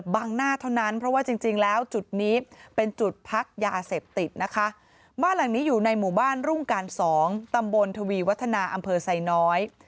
บ้านหลังนี้อยู่ในหมู่บ้านรุ่งกาล๒ตำบลทวีวัฒนาอำเภอไซน้อย